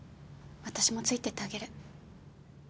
私もついてってあげる。